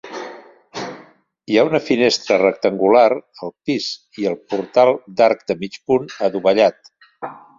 Hi ha una finestra rectangular al pis i el portal d'arc de mig punt adovellat.